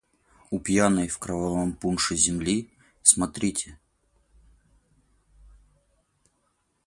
У пьяной, в кровавом пунше, земли — смотрите!